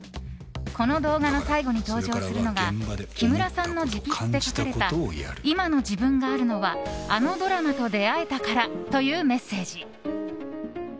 この動画の最後に登場するのが木村さんの直筆で書かれた「今の自分があるのは、あのドラマと出会えたから。」というメッセージ。